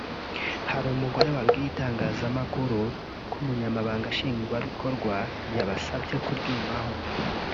Hari umugore wabwiye itangazamakuru ko umunyamabanga nshingwabikorwa yabasabye kuryumaho